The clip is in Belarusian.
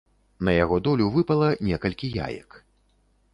На яго долю выпала некалькі яек.